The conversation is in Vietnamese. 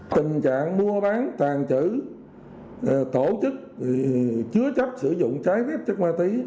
tình trạng mua bán tàn trữ tổ chức chứa chấp sử dụng trái phép chất ma túy